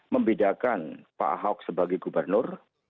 membedakan pak ahok sebagai gubernur